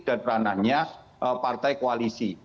dan ranahnya partai koalisi